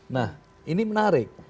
nah ini menarik